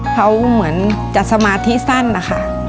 เขาเหมือนจัดสมาธิสั้นค่ะ